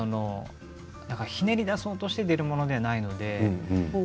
ひねり出そうとして出るものではありません。